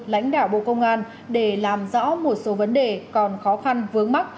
lãnh đạo bộ công an để làm rõ một số vấn đề còn khó khăn vướng mắt